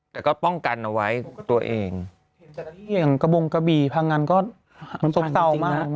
แต่ก็ป้องกันเอาไว้ตัวเองอย่างกระบงกระบีพังอันก็ซบเศร้ามาก